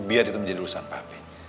biar itu menjadi urusan publik